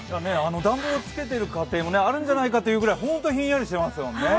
暖房をつけている家庭もあるんじゃないかというぐらい本当に寒いですね。